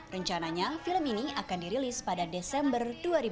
rencananya film ini akan dirilis pada desember dua ribu dua puluh